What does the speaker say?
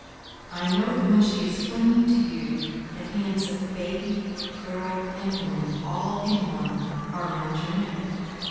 I know that when she is clinging to you, the hands of baby, girl, and woman, all in one, are round your neck.